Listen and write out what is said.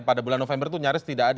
pada bulan november itu nyaris tidak ada